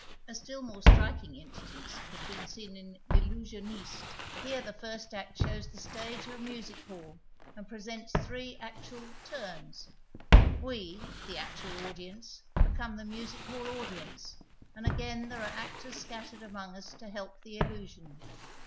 A still more striking instance has been seen in VlUusioniste. Here the first act shows the stage of a music hall and presents three actual " turns." We, the actual audience, become the music hall audience, and again there are actors scattered among us to heliD the illusion.